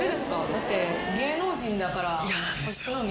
だって芸能人だから。